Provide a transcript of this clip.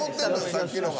さっきのが。